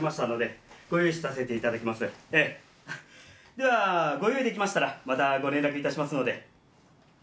ではご用意できましたらまたご連絡いたしますので。